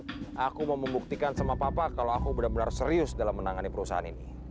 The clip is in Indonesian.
tapi aku mau membuktikan sama papa kalau aku benar benar serius dalam menangani perusahaan ini